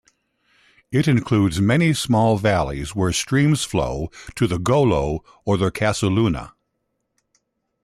It includes many small valleys where streams flow to the Golo or the Casaluna.